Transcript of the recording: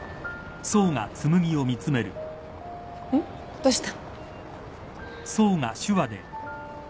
どうした？